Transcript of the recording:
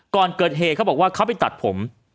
ก่อนเกิดเหตุเขาบอกว่าเขาไปตัดผม